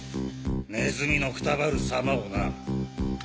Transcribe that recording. ネズミのくたばる様をな。